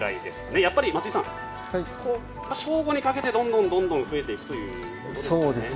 やっぱり松井さん、正午にかけてどんどん増えていくということですかね。